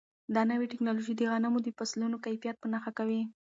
دا نوې ټیکنالوژي د غنمو د فصلونو کیفیت په نښه کوي.